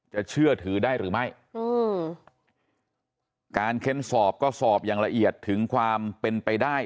เชื่อถือได้หรือไม่อืมการเค้นสอบก็สอบอย่างละเอียดถึงความเป็นไปได้